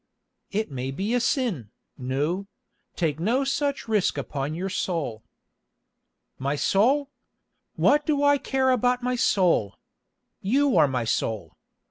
"It may be a sin, Nou; take no such risk upon your soul." "My soul! What do I care about my soul? You are my soul.